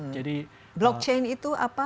jadi blockchain itu apa